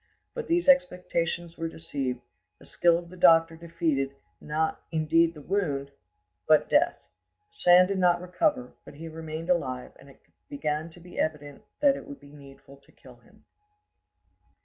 But these expectations were deceived: the skill of the doctor defeated, not indeed the wound, but death: Sand did not recover, but he remained alive; and it began to be evident that it would be needful to kill him.